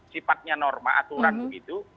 sifatnya norma aturan begitu